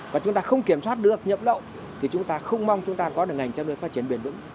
và chúng ta không kiểm soát được nhập lậu thì chúng ta không mong chúng ta có được ngành chăn nuôi phát triển bền vững